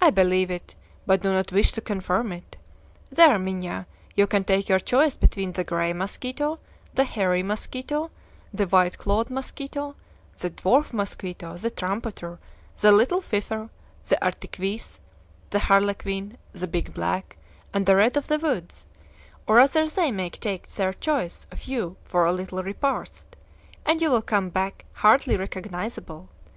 I believe it, but do not wish to confirm it. There, Minha, you can take your choice between the gray mosquito, the hairy mosquito, the white clawed mosquito, the dwarf mosquito, the trumpeter, the little fifer, the urtiquis, the harlequin, the big black, and the red of the woods; or rather they make take their choice of you for a little repast, and you will come back hardly recognizable!